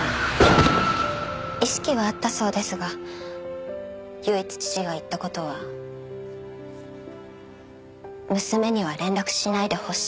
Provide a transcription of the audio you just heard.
意識はあったそうですが唯一父が言った事は「娘には連絡しないでほしい」だったそうです。